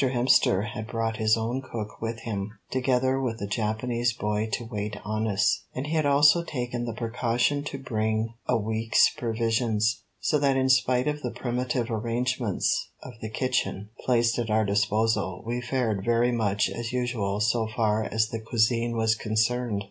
Hemster had brought his own cook with him, together with the Japanese boy to wait on us, and he had also taken the precaution to bring a week's provisions, so that in spite of the primitive arrangements of the kitchen placed at our disposal we fared very much as usual so far as the cuisine was concerned.